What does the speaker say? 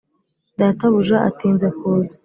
databuja atinze kuza